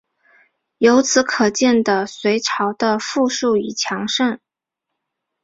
由此可见的隋朝的富庶与强盛。